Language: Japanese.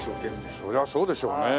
それはそうでしょうね。